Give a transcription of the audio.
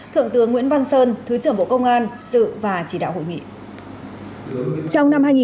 thượng tướng nguyễn văn sơn thứ trưởng bộ công an dự và chỉ đạo hội nghị